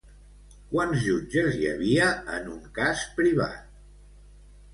Quants jutges hi havia en un cas privat?